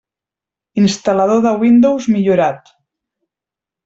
Instal·lador de Windows millorat.